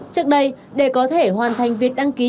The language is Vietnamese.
trước đây để có thể hoàn thành việc đăng ký